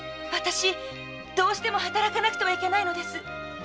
どうしても働かなくてはいけないのです。